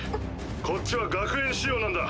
こっちは学園仕様なんだ。